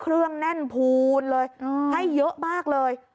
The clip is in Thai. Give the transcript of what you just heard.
เครื่องแน่นพูนเลยให้เยอะมากเลย